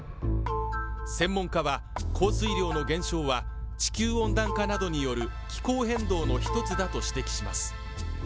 専門家は降水量の減少は地球温暖化などによる気候変動の一つだと指摘します。